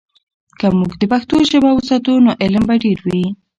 که موږ د پښتو ژبه وساتو، نو علم به ډیر وي.